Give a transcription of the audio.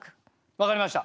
分かりました。